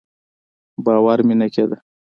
باور مې نه کېده.